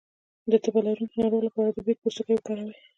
د تبه لرونکي ناروغ لپاره د بید پوستکی وکاروئ